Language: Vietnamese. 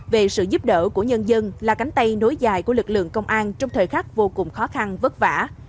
về sự giúp đỡ của nhân dân là cánh tay nối dài của lực lượng công an trong thời khắc vô cùng khó khăn vất vả